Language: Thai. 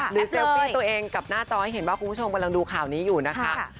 เซลฟี่ตัวเองกับหน้าจอให้เห็นว่าคุณผู้ชมกำลังดูข่าวนี้อยู่นะคะ